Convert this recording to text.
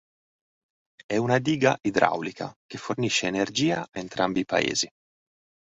È una diga idraulica che fornisce energia a entrambi i paesi.